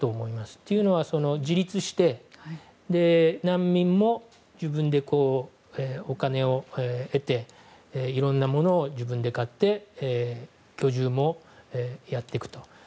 というのは自立して難民も自分でお金を得ていろんなものを自分で買って居住もやっていくと。